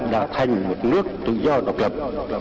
đã thành một nước tự do độc lập